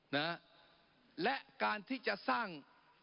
นะฮะและการที่จะสร้าง